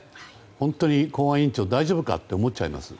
本当に公安委員長大丈夫かと思っちゃいます。